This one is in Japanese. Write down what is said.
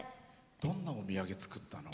どんなお土産、作ったの？